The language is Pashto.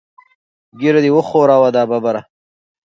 ږیره دې وخوره دا ببره.